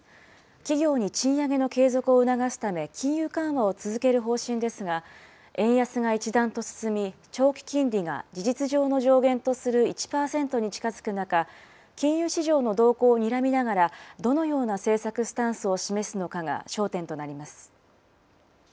企業に賃上げの継続を促すため金融緩和を続ける方針ですが、円安が一段と進み、長期金利が事実上の上限とする１％に近づく中、金融市場の動向をにらみながらどのような政策スタンスを示すのかが焦点となります。